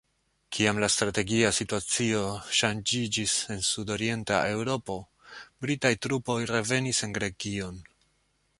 Kiam la strategia situacio ŝanĝiĝis en sudorienta Eŭropo, Britaj trupoj revenis en Grekion.